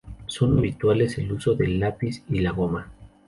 Son habituales el uso del lápiz y la goma.